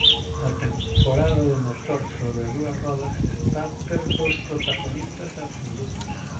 A temporada de motor sobre dúas rodas está a ter dous protagonistas absolutos.